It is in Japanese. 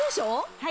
はい。